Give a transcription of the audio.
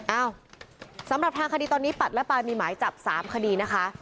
เอ้าสำหรับทางคดีตอนนี้ปัดและปลามีหมายจับ๓คดีนะคะ